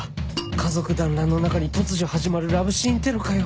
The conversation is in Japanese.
家族だんらんの中に突如始まるラブシーンテロかよ